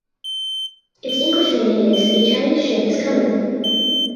Its English meaning is "A Chinese Ship is Coming".